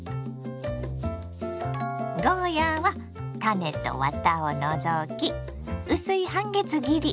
ゴーヤーは種とワタを除き薄い半月切り。